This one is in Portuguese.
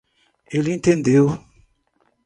Ele entendeu